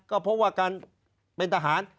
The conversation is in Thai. ก็เพราะว่าการเป็นทหาร